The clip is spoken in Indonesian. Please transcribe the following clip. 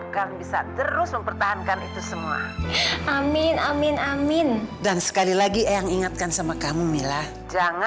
karena ini semua demi kebaikan kamu juga